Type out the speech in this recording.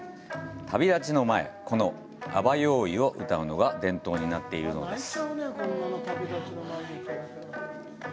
旅立ちの前、この「アバヨーイ」を歌うのが伝統になっているのです。